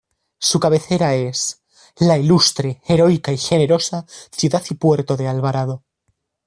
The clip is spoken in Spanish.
Su cabecera es la ""Ilustre, Heroica y Generosa Ciudad y Puerto de Alvarado"".